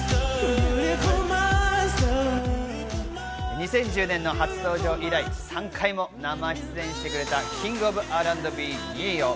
２０１０年の初登場以来、３回も生出演してくれた、キングオブＲ＆Ｂ、ＮＥ−ＹＯ。